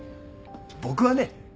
僕はね